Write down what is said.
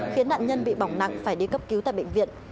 khiến nạn nhân bị bỏng nặng phải đi cấp cứu tại bệnh viện